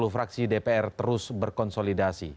sepuluh fraksi dpr terus berkonsolidasi